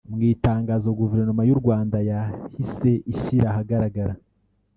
Mu itangazo Guverinoma y’u Rwanda yahise ishyira ahagaragara